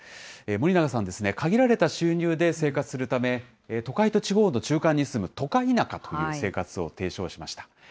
森永さんは、限られた収入で生活するため、都会と地方の中間に住むトカイナカという生活を提唱しました。